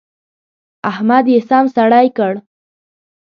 احمد يې سم سړی کړ.